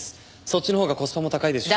そっちのほうがコスパも高いですし。